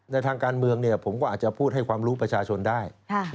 ในทางการเมืองผมก็อาจจะพูดให้ความรู้ประชาชนได้